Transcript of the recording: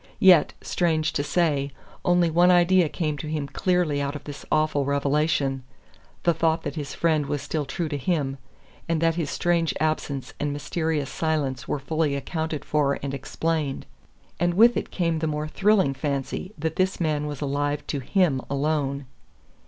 Yet, strange to say, only one idea came to him clearly out of this awful revelation the thought that his friend was still true to him and that his strange absence and mysterious silence were fully accounted for and explained. And with it came the more thrilling fancy that this man was alive now to HIM alone.